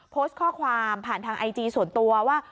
โพสต์ข้อความผ่านทางไอจีส่วนตัวว่า